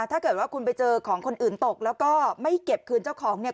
ถ้าเกิดว่าคุณไปเจอของคนอื่นตกแล้วก็ไม่เก็บคืนเจ้าของเนี่ย